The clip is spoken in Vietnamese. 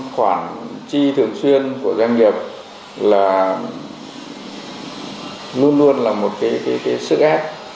khoản chi thường xuyên của doanh nghiệp là luôn luôn là một sức ép